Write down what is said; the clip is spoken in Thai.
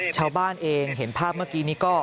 ชาวบ้านเองเห็นภาพเมื่อกี้นี้ก็